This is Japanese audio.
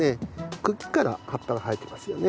茎から葉っぱが生えていますよね。